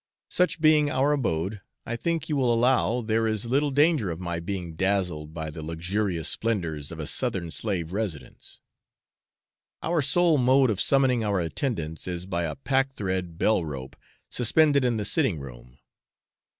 Such being our abode, I think you will allow there is little danger of my being dazzled by the luxurious splendours of a Southern slave residence. Our sole mode of summoning our attendants is by a packthread bell rope suspended in the sitting room.